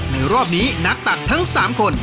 ในรอบนี้นักตักทั้งสามคน